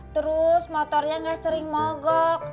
terus motornya nggak sering mogok